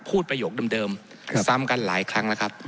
ประโยคเดิมซ้ำกันหลายครั้งแล้วครับ